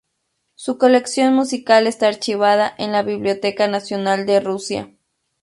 Su colección musical está archivada en la Biblioteca Nacional de Rusia.